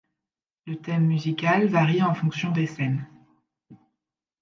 Le thème musical varie en fonction des scènes.